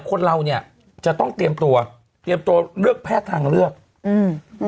คนเราเนี้ยจะต้องเตรียมตัวเตรียมตัวเลือกแพทย์ทางเลือกอืม